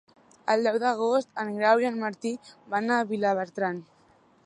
El deu d'agost en Grau i en Martí van a Vilabertran.